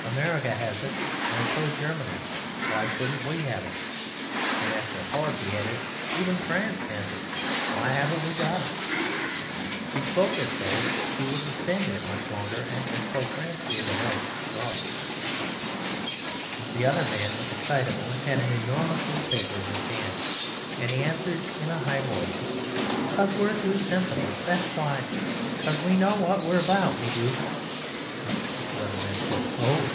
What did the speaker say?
America has it and so's Germany why shouldn't we have it?" Then after a pause he added, "Even France has it why haven't we got it?" He spoke as though he wouldn't stand it much longer, and as though France were the last straw. The other man was excitable and had an enormous newspaper in his hand, and he answered in a high voice, "'Cause we're too sensible, that's why! 'Cause we know what we're about, we do." The other man said, "Ho!